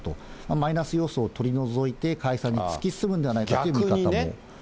マイナス要素を取り除いて、解散に突き進むんではないかという見方を。